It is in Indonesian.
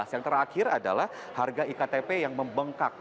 yang terakhir adalah harga iktp yang membengkak